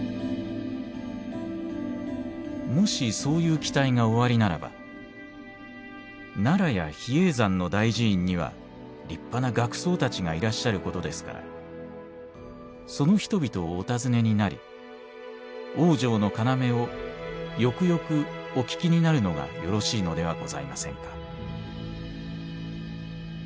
「もしそういう期待がおありならば奈良や比叡山の大寺院には立派な学僧たちがいらっしゃることですからその人々をお訪ねになり『往生の要』をよくよくお聞きになるのがよろしいのではございませんか」。